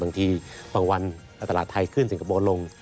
บางทีบางวันตลาดไทยขึ้นสิงคโปร์ลง